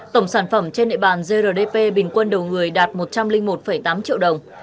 tổng sản phẩm trên nệ bàn grdp bình quân đầu người đạt một trăm linh một tám triệu đồng